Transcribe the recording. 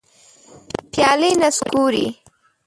پیالي نسکوري